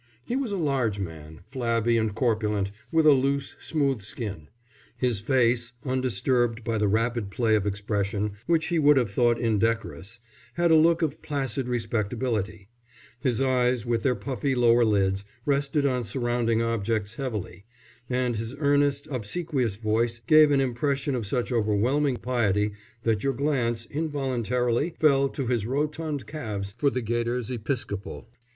He was a large man, flabby and corpulent, with a loose, smooth skin. His face, undisturbed by the rapid play of expression, which he would have thought indecorous, had a look of placid respectability; his eyes, with their puffy lower lids, rested on surrounding objects heavily; and his earnest, obsequious voice gave an impression of such overwhelming piety that your glance, involuntarily, fell to his rotund calves for the gaiters episcopal.